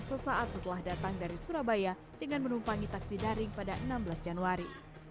sesaat setelah datang dari surabaya dengan menumpangi taksi daring pada enam belas januari